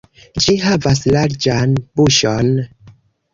Ĝi havas larĝan buŝon.